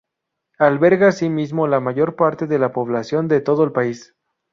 Alberga asimismo la mayor parte de la población de todo el país.